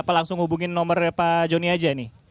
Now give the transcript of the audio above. apa langsung hubungin nomornya pak joni aja nih